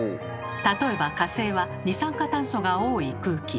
例えば火星は二酸化炭素が多い空気。